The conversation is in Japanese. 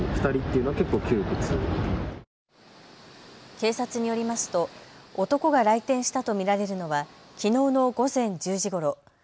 警察によりますと男が来店したと見られるのはきのうの午前１０時ごろ。